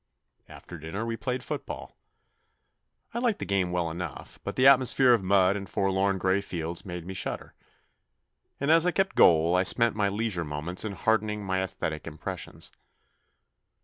After dinner we played football. I liked the game well enough, but the atmosphere of mud and forlorn grey fields made me shudder, and as I kept goal I spent my leisure moments in hardening my aesthetic impressions.